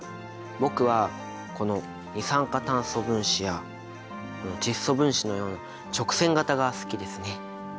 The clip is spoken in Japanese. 僕はこの二酸化炭素分子や窒素分子のような直線形が好きですね。